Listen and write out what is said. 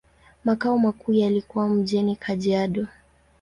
Makao makuu yalikuwa mjini Kajiado.